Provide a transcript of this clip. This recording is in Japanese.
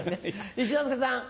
一之輔さん。